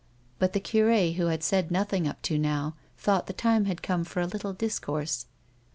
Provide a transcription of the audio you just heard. " But the cure, who had said nothing up to now, thought the time had come for a little discourse.